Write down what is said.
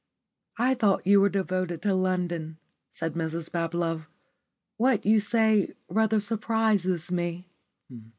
"I thought you were devoted to London," said Mrs Bablove. "What you say rather surprises me."